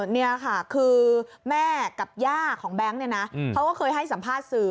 นี่ค่ะคือแม่กับย่าของแบงค์เนี่ยนะเขาก็เคยให้สัมภาษณ์สื่อ